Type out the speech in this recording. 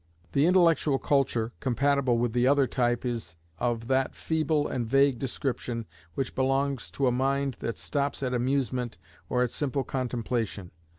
The intellectual culture compatible with the other type is of that feeble and vague description which belongs to a mind that stops at amusement or at simple contemplation.